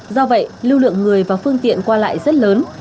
do vậy lưu lượng người và phương tiện qua lại rất lớn